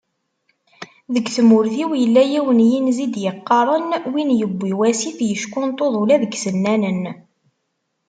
Deg tmurt-iw, yella yiwen n yinzi i d-yeqqaren, win yewwi wasif, yeckunṭud ula deg yisennanen.